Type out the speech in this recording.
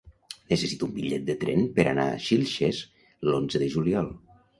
Necessito un bitllet de tren per anar a Xilxes l'onze de juliol.